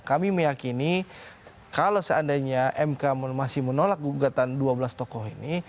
kami meyakini kalau seandainya mk masih menolak gugatan dua belas tokoh ini